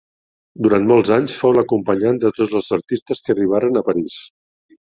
Durant molts anys fou l'acompanyant de tots els artistes que arribaren a París.